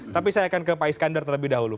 tapi saya akan ke pak iskandar terlebih dahulu